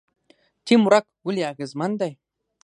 ټیم ورک ولې اغیزمن دی؟